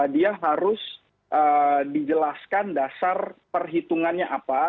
dia harus dijelaskan dasar perhitungannya apa